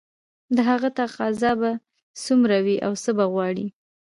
د هغه تقاضا به څومره وي او څه به غواړي